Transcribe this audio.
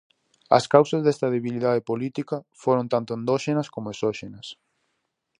As causas desta debilidade política foron tanto endóxenas como esóxenas.